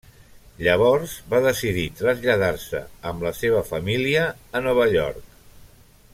Llavors va decidir traslladar-se amb la seva família a Nova York.